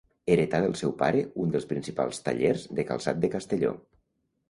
Heretà del seu pare un dels principals tallers de calçat de Castelló.